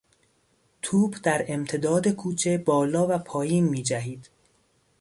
توپ در امتداد کوچه بالا و پایین میجهید.